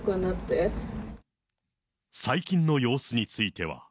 最近の様子については。